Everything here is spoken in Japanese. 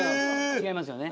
違いますよね。